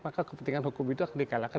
maka kepentingan hukum itu akan dikalahkan